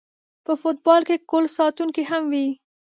په فوټبال کې ګول ساتونکی هم وي